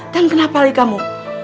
dan kenapa hari kamu